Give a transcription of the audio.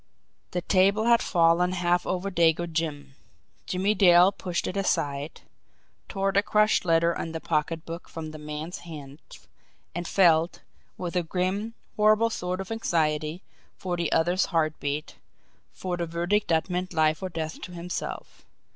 The table had fallen half over Dago Jim Jimmie Dale pushed it aside, tore the crushed letter and the pocketbook from the man's hands and felt, with a grim, horrible sort of anxiety, for the other's heartbeat, for the verdict that meant life or death to himself.